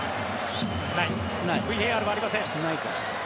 ＶＡＲはありません。